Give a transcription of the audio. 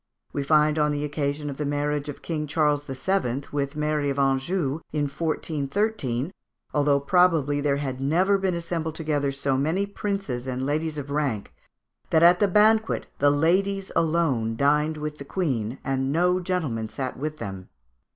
We find on the occasion of the marriage of King Charles VII. with Mary of Anjou, in 1413, although probably there had never been assembled together so many princes and ladies of rank, that at the banquet the ladies alone dined with the Queen, "and no gentlemen sat with them."